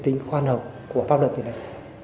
tính khoan hồng của pháp luật việt nam